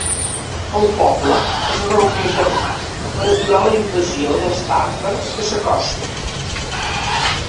El poble es reuneix armat, per aturar la invasió dels tàtars que s'acosten.